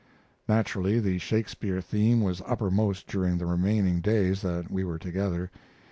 Naturally the Shakespeare theme was uppermost during the remaining days that we were together.